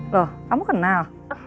loh kamu kenal